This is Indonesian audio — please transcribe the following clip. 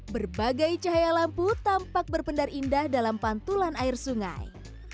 berbagai cahaya lampu tampak berpendar indah dalam pantulan air sungai